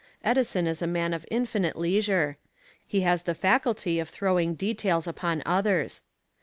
Edison is a man of infinite leisure. He has the faculty of throwing details upon others.